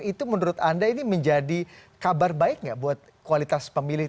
itu menurut anda ini menjadi kabar baik nggak buat kualitas pemilih